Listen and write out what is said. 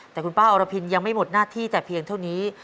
แต่คุณป้าอรพินยังไม่หมดหน้าที่แต่เพียงเท่านี้